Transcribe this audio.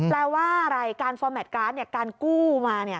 แปลว่าอะไรการฟอร์แมทการ์ดการกู้มา